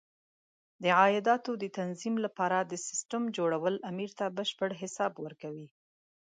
د عایداتو د تنظیم لپاره د سیسټم جوړول امیر ته بشپړ حساب ورکوي.